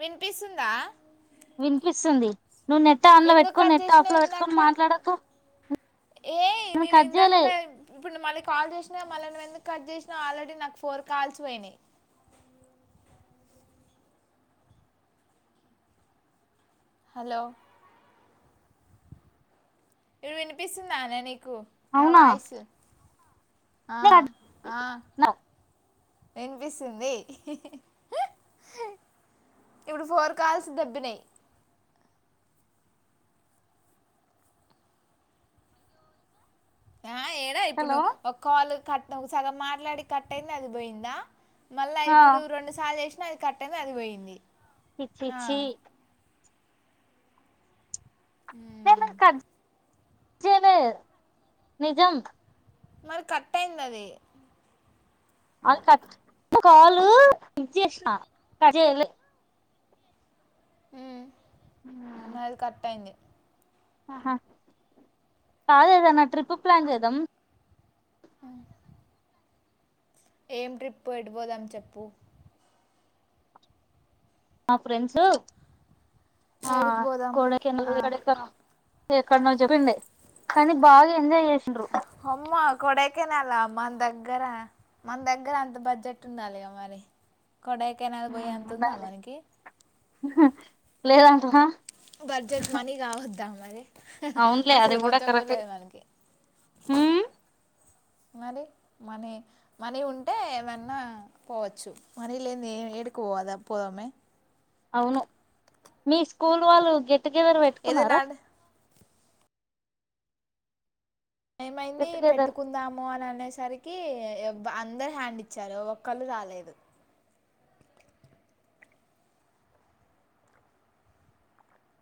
వినిపిస్తుందా వినిపిస్తుంది నువ్వు నెట్ ఆన్లో ఎందుకు పెట్టుకొని కట్ నెట్ చేసినావు ఆఫ్లో పెట్టుకొని ఇందాకట మాట్లాడకు ఏ నేను కట్ చేయలే ఇందాకంటే ఇప్పుడు మళ కాల్ చేసిన మళ్ళని ఎందుకు కట్ చేసినా ఆల్రెడీ నాకు ఫోర్ కాల్స్ పోయినాయి హలో ఇడు వినిపిస్తుందాన్న నీకు నా అవునా వాయిస్ ఆ ఆ వినిపిస్తుంది ఇప్పుడు ఫోర్ కాల్స్ దడబ్బినాయి ఆ ఏడా ఇప్పుడు హలో నువ్వు ఒక కాలు కట్ ఒకసగ మాట్లాడి కట్ట అయింది అది పోయిందా మళ్ళా ఆ ఇప్పుడు రెండు సార్లు వేసినా అది కట్ట అయింది అది పోయింది చ్చి ఆ, చి ఉమ్. ఏనును నిజం మరి కట్ అయింది అది అ క కాలు ఇది చేసినలే ఉమ్. అది కరెట్ అయింది ఆహా కాదుదా నా ట్రిప్పు ప్లాన్ చేదాం ఆ ఏం ట్రిప్పు ఎడిపోదాం చెప్పు ఆ ఫ్రెండ్స్ ఆ ఏడికి పోదాం ఆ, కొడైకెనాల్ ఎక్కడ ను చెప్పడి కానీ బాగా ఎంజాయ్ చేసిండ్రు అమ్మా కొడైకనలా మన దగ్గర మన దగ్గర అంత బడ్జెట్ ఉండాలిగా మరి కొడాయి కెనాల్ పోయి అంత ఉందా మనకి లేదాంటవ బడ్జెట్ మనీ కా వద్దా మరి అవునులే అది అసలు కొంచెం కూడా కరెక్టే లేదు మనకి హ్మ్ మనీ మనీ మనీ ఉంటే ఏమన్నా పోవచ్చు మనీ లేని ఏ ఏడుకోవచ్చు పోదా పోవమే అవును మీ స్కూల్ వాళ్ళు గెట్టుగెదర్ ఏదైనా పెట్టుకున్నారా అడ్- ఏమైంది గెట్ టుగెదర్ పెట్టుకుందాము అని అనేసరికి అందరు హ్యాండ్ ఇచ్చారు ఒకరు రాలేదు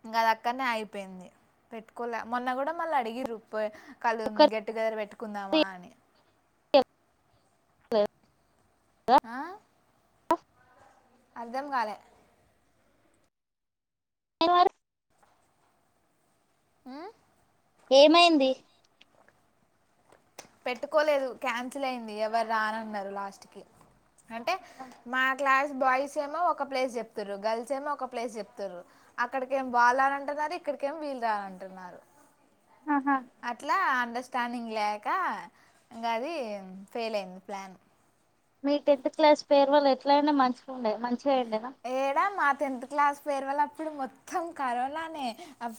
ఇంకా అదిక్కనే ఆగిపోయింది పెట్టుకోలే మొన్న కూడా మళ్ళీ అడిగిరు కళ్ళు ఒకరి గెట్టుగెదర్ పెట్టుకుందామా అని స అర్ధం కాలే ఆ ఏమైంది పెట్టుకోలేదు క్యాన్సిల్ అయింది ఎవరు రాను అన్నారు లాస్ట్ కి అంటే మా క్లాస్ బాయ్స్ ఏమో ఒక ప్లేస్ చెప్తురూ గర్ల్స్ ఏమో ఒక ప్లేస్ చెప్తుారు అక్కడిక ఏం వాళ్ళు రాను అంటారు సారి ఇక్కడికేం వీలు రానంటునాడు ఆహా అట్లా అంద స్టానింగ్ లేక ఇంకా అది ఫెయిల్ అయింది ప్లాన్ మీ టెన్త్ క్లాస్ ఫైర్వాల్ ఎట్లా అంటే మంచిగా ఉండేయి మంచిగా అయిందిన ఏడా మా టెన్త్ క్లాస్ ఫైర్వాల్ అప్పుడు మొత్తం కరోనానే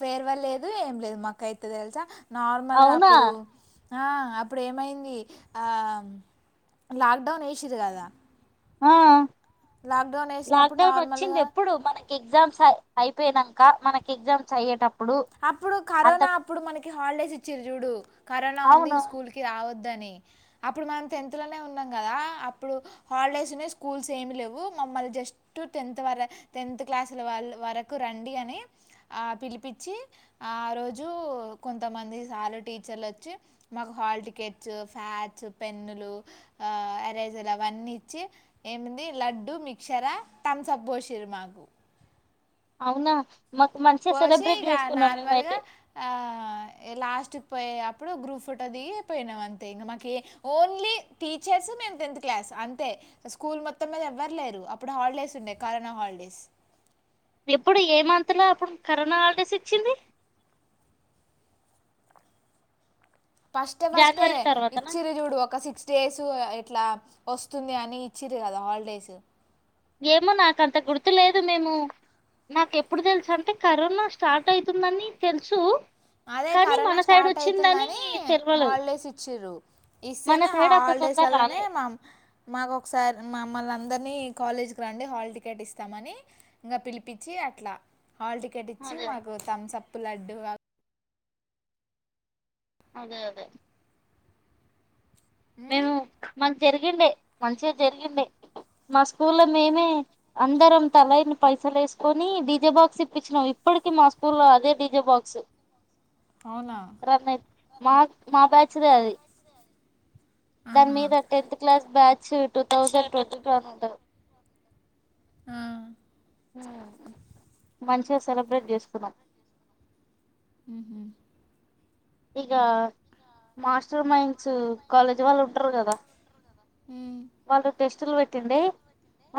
ఫైర్వాల్ లేదు ఏం లేదు మాకైతే తెలుసా నార్మల్గా అవునా అప్పుడు ఆ అప్పుడు ఏమైంది లాక్డౌన్ వేసిరూ కదా ఆ లాక్డౌన్ వేసినప్పుడు లాక్డౌన్ వచ్చింది నార్మల్గా ఎప్పుడు మనకి ఎగ్జామ్స్ అయిపోయినాక మనకి ఎగ్జామ్స్ అయ్యేటప్పుడు అప్పుడు అంత కరోనా అప్పుడు మనకి హాలిడేస్ ఇచ్చిరు చూడు కరోనా ఉంది అవును స్కూల్ కి రావద్దు ని అప్పుడు మనం టెన్త్ లోనే ఉన్నాం కదా అప్పుడు హాలిడేస్ స్కూల్స్ ఏమి లేవు మమ్మల్ని జస్ట్ టెన్త్ వర టెన్త్ క్లాస్ల వరకు రండి అని ఆ పిలిపించి ఆ రోజు కొంతమంది సార్ టీచర్లు వచ్చి మాకు హాల్ టికెట్స్ ఫ పెన్నులు ఎఅసేర్లు అవన్నీ ఇచ్చి ఏముంది లడ్డు మిక్చర్ తామ్సప్ పొసిరు మాకు అవునా మాకు మంచిగా పోసి సెలబ్రేట్ ఇగా చేసుకున్నాం నార్మల్గా మేమైతే ఆ లాస్ట్కి పోయేయప్ ఇప్పుడు గ్రూప్ ఫోటో దిగి పోయినాం అంతే ఇగా. మాకే ఓన్లీ టీచర్స్ మేము టెన్త్ క్లాస్ అంతే. స్కూల్ మొత్తం మీద ఎవ్వరులేరు అప్పుడు హాలిడేస్ ఉండే కరోనా హాలిడేస్ ఎప్పుడు ఏ మంత్లో అప్పుడు కరోనా హాలిడస్ ఇచ్చింది ఫస్ట్ ఫస్ట్ జనవరి తర్వాతనా ఇచ్చిరు చూడు ఒక సిక్స్ డేస్ ఎట్లా వస్తుంది అని ఇచ్చిరూ కదా హాలిడేస్ ఏమో నాకంత గుర్తు లేదు మేము నాకు ఎప్పుడు తెలుసు అంటే కరోనా స్టార్ట్ అవుతుందని తెలుసు అదే కానీ కరోనా మన సైడ్ స్టార్ట్ వచ్చిందని అవుతుందని తెలవలేదు హాలిడేస్ ఇచ్చిరు మన ఇస్తేనే సైడ్ అంత హాల డేస్ తొందర వల్లనే రాలే మాకు ఒకసారి మమ్మల్ అందరినీ కాలేజ్కి రండి హాల్ టికెట్ ఇస్తామని ఇంకా పిలిపించి అట్లా హాల్ టికెట్ ఇచ్చి అదే మాకు తంసప్పు లడ్డు అదే అదే ఉమ్, మేము మాకు జరిగిండే మంచిగా జరిగిండే మా స్కూల్ లో మేమే అందరం తలని పైసలు వేసుకొని డిజే బాక్స్ ఇప్పించినాం ఇప్పడకీ మా స్కూల్లో అదే డిజే బాక్స్ అవునా రామేర్ మాక్ మా బ్యాచ్దే అది. దాని ఆహా మీద tenth class batch two thousand twenty two అనుడాద్ ఆ ఆ మంచిగా సెలబ్రేట్ చేసుకున్నాం. హుహూ ఇగా మాస్టర్ మైండ్స్ కాలేజీ వాళ్ళు ఉంటారు కదా ఉమ్, వాళ్ళు టెస్టులు పెట్టుండే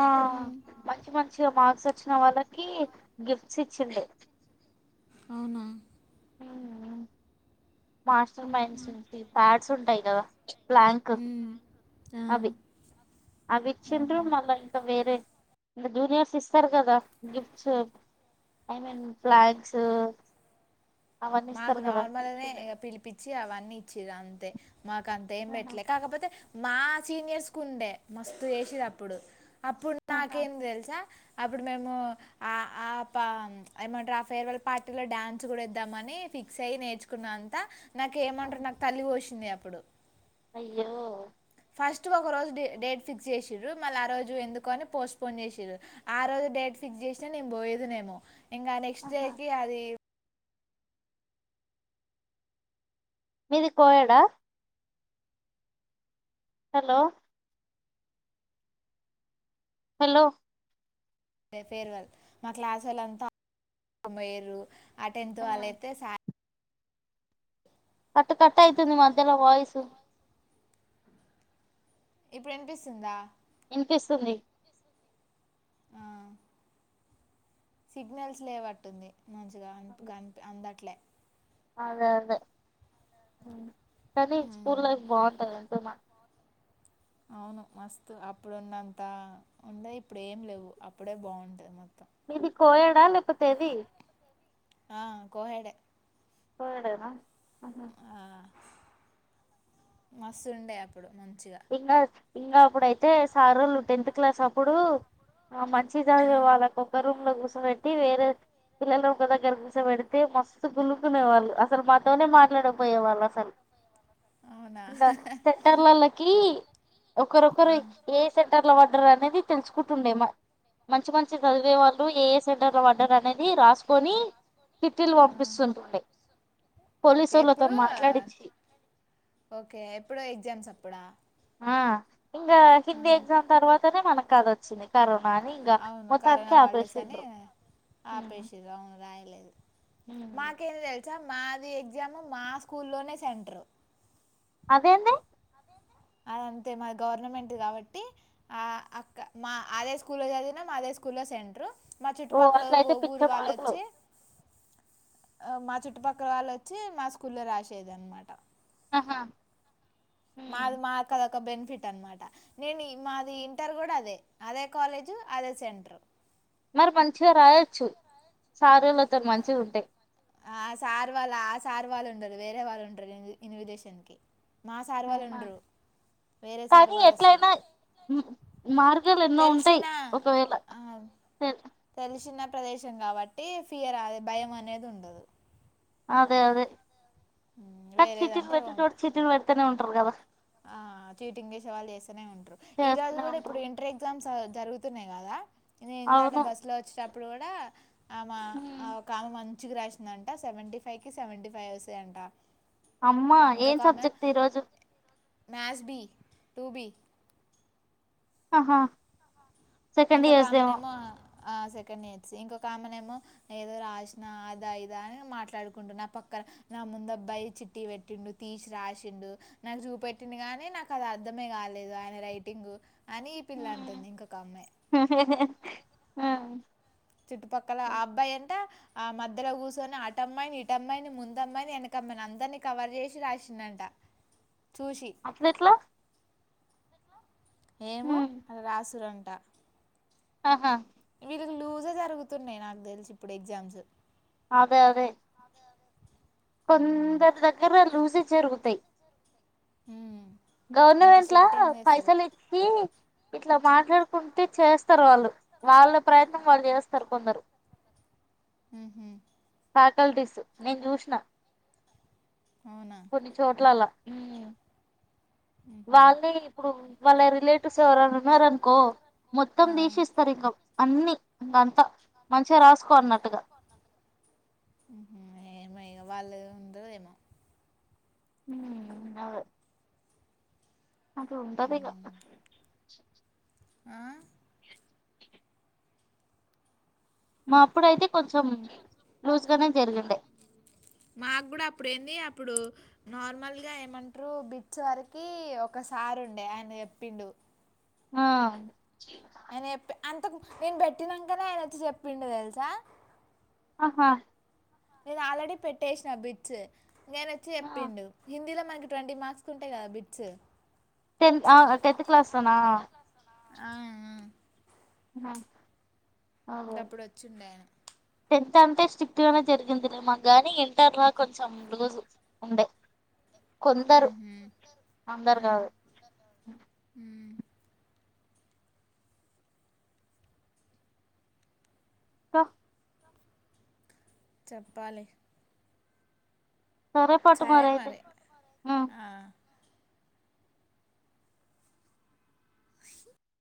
ఆ ఆ మంచి మంచిగా మార్క్స్ వచ్చిన వాళ్ళకి గిఫ్ట్స్ ఇచ్చుండే. అవునా హుహ్ మాస్టర్ మైండ్స్ నుంచి ప్యాడ్స్ ఉంటాయి కదా బ్లాంకు ఆ, అవి అవిచ్చిండ్రు. ఆహా మళ్ళా ఇంకా వేరే ఇగా జూనియర్స్ ఇస్తరు గాదా గిఫ్టసు ఐమన్ ఫ్లాగ్సు మాకు నార్మల్నే ఇగా పిలిపిచ్చి అవన్నీ ఇచ్చిరు అంతే మాక్ అంతేం బెట్లే కాకపోతే మా సీనియర్స్ కు ఉండే మస్తు చేసిరు అప్పుడు అప్పుడు నాకేం దేల్సా అప్పుడు మేము ఆ ఆ పా ఏమంటారు. ఆ ఫేర్వెల్ పార్టీలో డ్యాన్స్ కూడా ఏదమాన్ నీ ఫిక్స్ అయి నేర్చుకున్నా అంత నాకు ఏమంట్రు. నాకు తల్లి పొచ్చింది అప్పుడు అయ్యో ఫస్ట్ ఒక రోజు డే డేట్ ఫిక్స్ జేచిరు. మళ్ళా ఆ రోజు ఎందుకని పోస్ట్పోన్ జేచిరు. ఆ రోజు డేట్ ఫిక్స్ జేస్తే నీను పోయేదినేమో ఇంగా ఆ నెక్స్ట్ డేకీ అది మీది కోయాడా హలో హలో ఏ ఫేర్వెల్ మా క్లాస్ అంతా పోయిరు ఆ టెన్త్ వాళ్ళు అయితే సా కట్ కట్ అయితుంది. మధ్యలో వాయిసు ఇప్పుడు ఇనిపిస్తుందా ఇనిపిస్తుంది ఆ, సిగ్నల్స్ లేవట్టుంది మంచిగా అనపుక్ అందట్లే అదే అదే కానీ స్కూల్ ఉమ్, లైఫ్ బావుంటదంటున్న అవును మస్తు అప్పుడున్నంత ఉండే ఇప్పుడు ఏం లేవు అప్పుడే బావుంటది మొత్తం మీది కోయాడా లేకపోతే ఏది ఆ కోహెయేడే కోయేడెనా హు హు మస్తు ఉండే అప్పుడు మంచి ఇంగా ఇంగా అప్పుడైతే సారోళ్ళు టెన్త్ క్లాస్ అప్పుడు ఆ మంచి ఆ, చదివే వాళ్ళకి ఒక్క రూమ్ లో గుసబెట్టి వేరే పిల్లలు ఒక దగ్గర కూస పెడితే మస్తు గులుకునేవాళ్ళు అసలు మాతోనే మాట్లాడపోయే వాళ్ళు అసలు అవునా ఇంగా సెంటర్లలక్ ఆ, ఒకరొకరు ఏ సెంటర్ లో పడ్డరు అనేది తెలుసుకుంటుండే మ మంచి మంచి చదివే వాళ్ళు ఏ ఏ సెంటర్లో పడ్డరు అనేది రాసుకొని చిట్టీలు ఆ, పంపిస్తుంటుండే ఓకే పోలీసులతో ఎప్పుడు మాట్లాడించి ఓకే ఎప్పుడో ఎగ్జామ్స్ అప్పుడా ఆ ఇంగా హిందీ ఆహా. ఎగ్జామ్ తర్వాతనే మనక అది వచ్చింది. కరోన్ కానీ ఇంగా మొత్తానికి ఆపేసిండ్రు. మాకేం దేల్స్ త మాది ఎగ్జామ్ మా స్కూల్లోనే సెంట్రూ అదేంది అదంతే మా గవర్నమెంట్ గాబట్టి ఆ అక్క మా అదే స్కూల్ చదివినా మా అదే స్కూల్ స్కూల్లో సెంటరు మా ఓ చుట్టుపక్కల అట్లయితే పిచ్చ ఊరు మార్కులు వాళ్ళొచ్చి ఆ మా చుట్టుపక్కల వాళ్ళొచ్చి మా స్కూల్లో రాసేది అన్నమాట ఆ మాది మా కద ఒక బెనిఫిట్ అన్నమాట నేను మాది ఇంటర్ గూడా అదే అదే కాలేజు అదే సెంటర్ మరి మంచిగా రాయొచ్చు సారీలతో మంచిగా ఉంటే ఆ సార్ వాళ్ళు ఆ సార్ వాళ్ళు ఉండరు వేరే వాళ్ళు ఉంటరు ఇ ఇన్విజిలేషన్ కి మా సారు వాళ్ళు ఉండరు వేరే సారు కానీ వాళ్ళు వస్తరు ఎట్లయినా మార్గాలు ఎన్నో ఉంటాయి ఒకవేళ ఆ, సరే తెలిసిన ప్రదేశం గాబట్టి ఫియర్ అ భయం అనేది ఉండదు అదే అదే ఉమ్, కాని చిట్టీలు వేరేదంటే పెట్టెటోడు చిట్టీలు పెడతనే ఉంటారు కదా ఆ చీటింగ్ చేసే వాళ్ళు చేస్తనే ఉంటరు ఈ రోజు చేస్తూనే గూడా ఇప్పుడు ఉంటారు ఇంటర్ ఎగ్జామ్స్ జరుగుతున్నాయి గదా నేను ఇందాకా అవును బస్ లో వచ్చేటప్పుడు గూడా ఆమ మ్మ్ ఒక ఆమె మంచిగా రాసిందంట సెవెంటీ ఫైవ్ కి సెవెంటీ ఫైవ్ వస్తయంట అమ్మా ఏం సబ్జెక్ట్ ఈరోజు మ్యాస్ బీ టూ బీ ఆహా సెకండ్ ఇంకొక ఇయర్స్ దేమో ఆమెనేమో ఆ సెకండ్ ఇయర్స్ ఇంకొక ఆమెనేమో ఏదో రాసినా అదా ఇదా అని మాట్లాడుకుంటురు నా పక్క నా ముందు అబ్బాయి చిట్టీ పెట్టిండు తీసి రాసిండు నాకు చూపెట్టిండు గానీ నాకు అది అర్ధం అర్థమే కాలేదు ఆయన రైటింగ్ అని ఈ పిల్ల అంటుంది ఇంకొక అమ్మాయి ఆ చుట్టుపక్కల ఆ అబ్బాయి అంట ఆ మధ్యలో కూర్చొని ఆట అమ్మాయిని ఇట అమ్మాయిని ముందమ్మాయిని వెనకమ్మాయిని అందరిని కవర్ చేసి రాసినంట ఊ అట్లెట్ల ఏమో అలా రాసురంట ఆహా వీళ్ళకి లూజ జరుగుతున్నాయి నాకు తెలిసు ఇప్పుడు ఎగ్జామ్స్ అదే అదే ఉమ్ కొందరు దగ్గర లూజె జరుగుతాయి ఉ గవర్నమెంట్ లా పైసలు ఇచ్చి ఇట్లా మాట్లాడుకుంటే చేస్తారు వాళ్ళు వాళ్ళ ప్రయత్నం వాళ్ళు చేస్తారు కొందరు ఉ హ ఫ్యాకల్టీస్ నేను చూసిన అవునా కొన్ని చోట్లలా మ్మ్ ఉహు వాళ్ళే ఇప్పుడు వాళ్ళ రిలేటివ్స్ ఎవరన్నార అనుకో ఆ మొత్తం ది సి ఇస్తారు ఇక అన్ని ఇంకంతా మంచిగా రాసుకో అన్నట్టుగా ఉహు ఏమో ఇగ వాళ్ళు ఉండదేమో ఉ అదే అట్లా ఉంటది ఇగ ఆ మా అప్పుడుతే కొంచెం లూజ్గానే జరిగండే ఇప్పుడు నార్మల్గా ఏమంటారు బిచ్ వరకి ఒక సారి ఉండే ఆయన చెప్పిండు ఆ అని చెప్పి అంత నేను పెట్టినాకనే ఆయన వచ్చి చెప్పిండడు తెలుసా ఆహా నేను ఆల్రెడీ పెట్టేసిన బిట్స్ నేను వచ్చి చెప్పిండు హిందీలో మంచి ట్వంటీ మార్క్స్ ఉంటాయి కదా బిట్స్ టెన్ టెన్త్్ క్లాస్ అనా ఆ ఆ ఇంకప్పుడు వచ్చిండే ఆయన ఇంత అంటే స్ట్రిక్ట్ గానే జరిగింది గాని ఇంటర్లో కొంచెం రోజు ఉండే హు కొందరు హూ అందరు కాదు ఇంకా చెప్పాలి సరే మరి ఆ